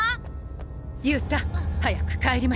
勇太早く帰りましょう。